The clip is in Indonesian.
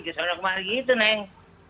kalau ada kemarin gitu neng